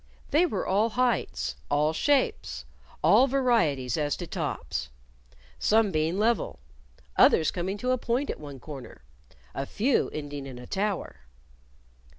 They were all heights, all shapes, all varieties as to tops some being level, others coming to a point at one corner, a few ending in a tower.